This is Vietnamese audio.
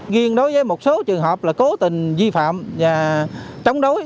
nghiên đối với một số trường hợp là cố tình vi phạm và chống đối